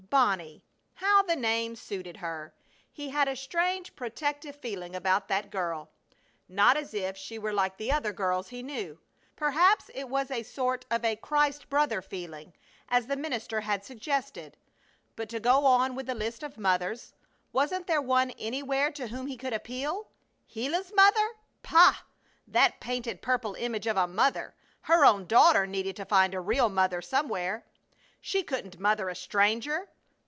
Bonnie! How the name suited her! He had a strange protective feeling about that girl, not as if she were like the other girls he knew; perhaps it was a sort of a "Christ brother" feeling, as the minister had suggested. But to go on with the list of mothers wasn't there one anywhere to whom he could appeal? Gila's mother? Pah! That painted, purple image of a mother! Her own daughter needed to find a real mother somewhere. She couldn't mother a stranger!